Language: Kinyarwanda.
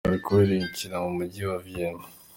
Hari kubera imikino mu mujyi wa Vienna.